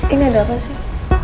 ini ada apa sih